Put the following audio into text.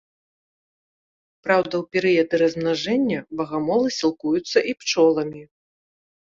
Праўда, у перыяды размнажэння багамолы сілкуюцца і пчоламі.